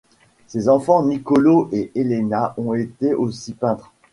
Ses enfants Nicolo et Elena ont été aussi peintres.